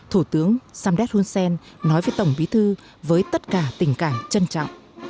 thủ tướng samdek hun sen nói với tổng bí thư với tất cả tình cảm trân trọng